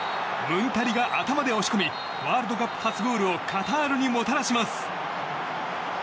ムンタリが頭で押し込みワールドカップ初ゴールをカタールにもたらします。